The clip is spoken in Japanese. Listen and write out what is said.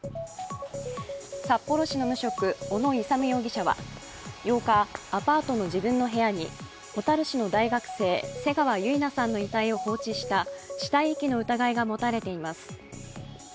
札幌市の無職、小野勇容疑者は８日、アパートの自分の部屋に小樽市の大学生、瀬川結菜さんの遺体を放置した死体遺棄の疑いが持たれています。